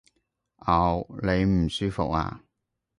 嗷！你唔舒服呀？